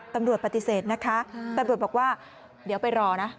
ตำรวจปฏิเสธนะคะตำรวจบอกว่าเดี๋ยวไปรอนะ